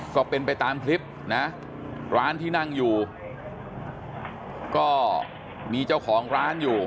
ก็เป็นไปตามคลิปนะร้านที่นั่งอยู่ก็มีเจ้าของร้านอยู่